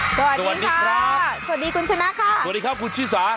สวัสดีค่ะครับสวัสดีคุณชนะค่ะสวัสดีครับคุณชิสา